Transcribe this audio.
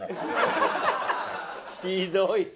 ひどい。